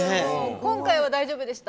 今回は大丈夫でした。